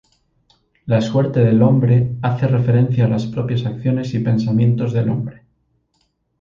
La suerte del Hombre hace referencia a las propias acciones y pensamientos del hombre.